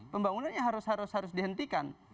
pembangunannya harus harus dihentikan